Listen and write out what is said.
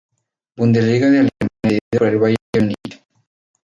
Bundesliga de Alemania cedido por el Bayern de Múnich.